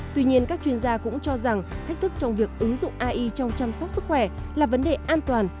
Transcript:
tuy nhiên các chuyên gia cũng cho rằng thách thức trong việc ứng dụng ai trong chăm sóc sức khỏe là vấn đề an toàn